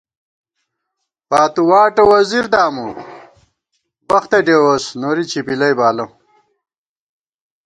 پاتُواٹہ وَزِر دامُوؤ ، وختہ ڈېووس ، نورِی چِپِلَئ بالہ